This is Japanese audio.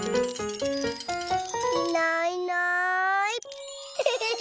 いないいない。